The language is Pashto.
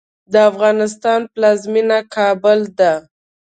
د افغانستان پلازمېنه کابل ده.